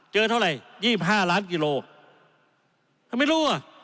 เจอเท่าไหร่๒๕ล้านกิโลทำไมรู้อ่ะ